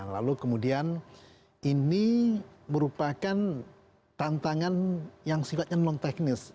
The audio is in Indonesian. lalu kemudian ini merupakan tantangan yang sifatnya non teknis